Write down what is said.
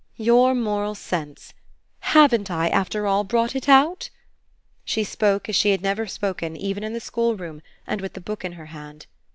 "Your moral sense. HAVEN'T I, after all, brought it out?" She spoke as she had never spoken even in the schoolroom and with the book in her hand.